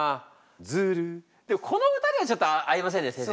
「ＺＵＲＵ」でもこの歌にはちょっと合いませんね先生。